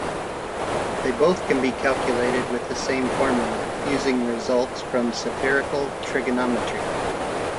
They can both be calculated with the same formula, using results from spherical trigonometry.